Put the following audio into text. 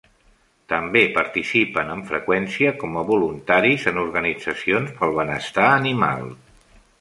També participen amb freqüència com a voluntaris en organitzacions pel benestar animal.